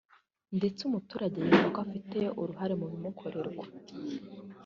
ndetse umuturage yumva ko afite uruhare mu bimukorerwa